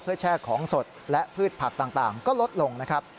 แช่ของสดและพืชผักต่างก็ลดลงนะครับ